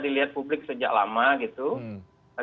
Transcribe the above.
dilihat publik sejak lama gitu